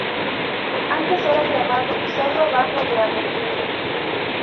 Antes era llamado Cerro bajo de Apoquindo.